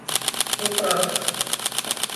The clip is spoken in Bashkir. - Тупраҡ.